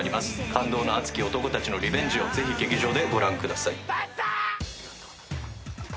感動の熱き男たちのリベンジをぜひ劇場でご覧ください。